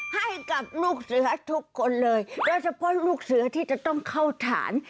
ให้กับลูกเสือทุกคนเลยโดยเฉพาะลูกเสือที่จะต้องเข้าฐาน